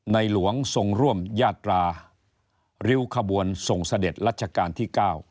หลวงทรงร่วมยาตราริ้วขบวนส่งเสด็จรัชกาลที่๙